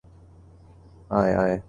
আয়, আয়।